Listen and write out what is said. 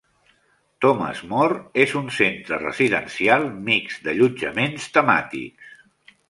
Thomas More és un centre residencial mixt d'allotjaments temàtics.